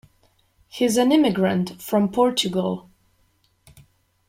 He's an immigrant from Portugal.